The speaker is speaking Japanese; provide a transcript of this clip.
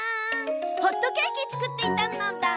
ホットケーキつくっていたのだ。